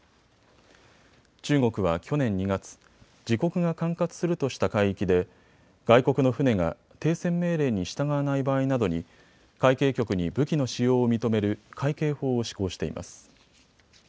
中国は去年２月、自国が管轄するとした海域で外国の船が停船命令に従わない場合などに海警局に武器の使用を認める海警法を施行しています。